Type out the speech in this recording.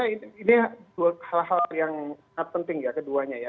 ini dua hal hal yang sangat penting ya keduanya ya